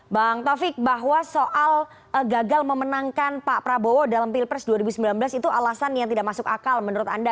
bang taufik bahwa soal gagal memenangkan pak prabowo dalam pilpres dua ribu sembilan belas itu alasan yang tidak masuk akal menurut anda